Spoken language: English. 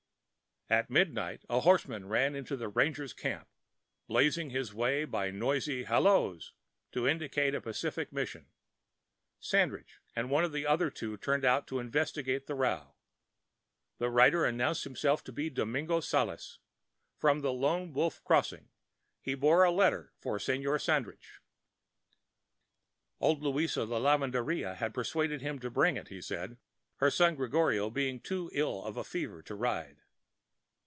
At midnight a horseman rode into the rangers' camp, blazing his way by noisy "halloes" to indicate a pacific mission. Sandridge and one or two others turned out to investigate the row. The rider announced himself to be Domingo Sales, from the Lone Wolf Crossing. he bore a letter for Se√Īor Sandridge. Old Luisa, the lavendera, had persuaded him to bring it, he said, her son Gregorio being too ill of a fever to ride.